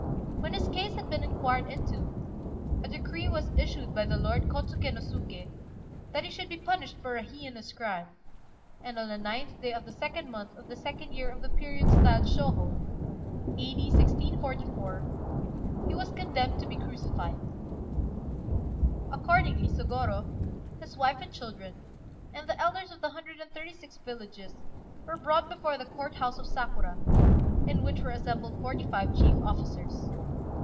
When his case had been inquired into, a decree was issued by the Lord Kôtsuké no Suké that he should be punished for a heinous crime; and on the 9th day of the 2d month of the second year of the period styled Shôhô (A.D. 1644) he was condemned to be crucified. Accordingly Sôgorô, his wife and children, and the elders of the hundred and thirty six villages were brought before the Court house of Sakura, in which were assembled forty five chief officers.